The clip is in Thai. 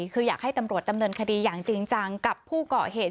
คืออยากให้ตำรวจดำเนินคดีอย่างจริงจังกับผู้เกาะเหตุ